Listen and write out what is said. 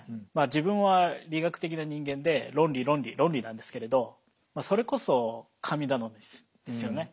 自分は理学的な人間で論理論理論理なんですけれどそれこそ神頼みですよね。